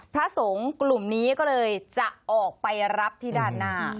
พระสงฆ์กลุ่มนี้ก็เลยจะออกไปรับที่ด้านหน้า